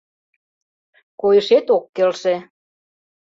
— Койышет ок келше...